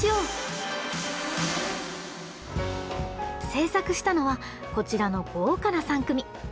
制作したのはこちらの豪華な３組！